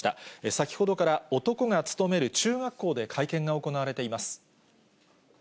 先ほどから、男が勤める中学校で会見が行われています。